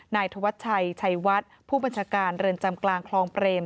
นายธวัชชัยชัยวัดผู้บัญชาการเรือนจำกลางคลองเปรม